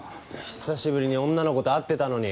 久しぶりに女の子と会ってたのに。